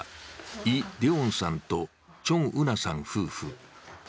イ・デウォンさんとチョン・ウナさん夫婦。